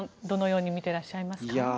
どのように見ていらっしゃいますか？